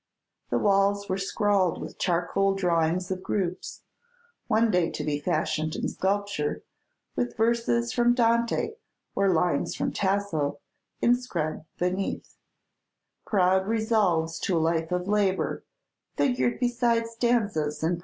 The walls were scrawled with charcoal drawings of groups, one day to be fashioned in sculpture, with verses from Dante, or lines from Tasso, inscribed beneath; proud resolves to a life of labor figured beside stanzas in praise of indolence and dreamy abandonment.